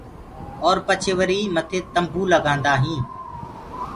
اور پڇي وري مٿي تمبو لگآندآ هينٚ۔